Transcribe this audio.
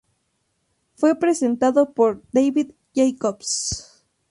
Fue presentado por David Jacobs.